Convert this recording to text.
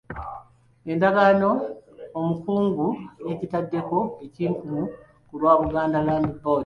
Endagaano omukungu yagitaddeko ekinkumu ku lwa Buganda Land Board.